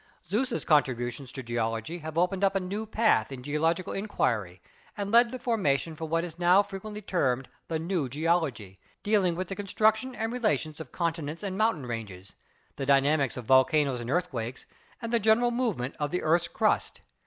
Suess' con tributions to Geology have opened tip a new path in geo logical inquiry and laid the foundation for what is now frequently termed the "New Geology," dealing with the MODERN DEVELOPMENT 79 construction and relations of continents and mountain ranges, the dynamics of volcanoes and earthquakes, and the general movement of the earth's crust.